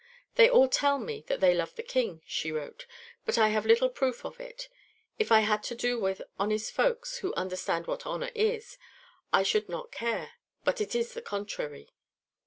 "They all tell me that they love the King," she wrote, "but I have little proof of it. If I had to do with honest folks, who understand what honour is, I should not care, but it is the contrary."